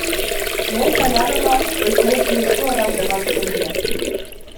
Мен Салянова – өлкөгө керектүү адам деп айткым келет.